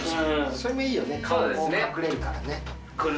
それもいいよね、顔隠れるかこれ、